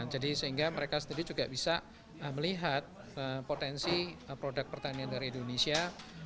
jadi sehingga mereka sendiri juga bisa melihat potensi produk pertanian dari indonesia